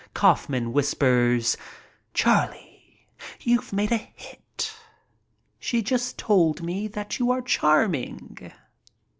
Kaufman whis pers: "Charlie, you've made a hit. She just told me that you are charming."